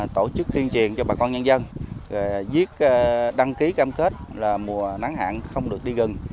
tổ chức tuyên truyền cho bà con nhân dân viết đăng ký cam kết là mùa nắng hạn không được đi gần